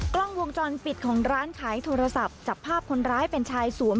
กล้องวงจรปิดของร้านขายโทรศัพท์จับภาพคนร้ายเป็นชายสวม